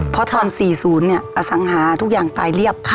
เพราะตอน๔๐เนี่ยอสังหาทุกอย่างตายเรียบ